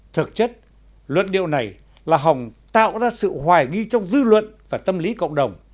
thực chất luận điệu này là hòng tạo ra sự hoài nghi trong dư luận và tâm lý cộng đồng